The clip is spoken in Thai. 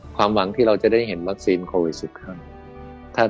ความหวังที่เราจะได้เห็นวัคซีนโควิด๑๐เท่านั้น